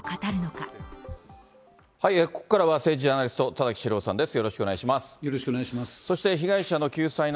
ここからは、政治ジャーナリスト、田崎史郎さんです。